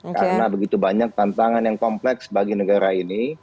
karena begitu banyak tantangan yang kompleks bagi negara ini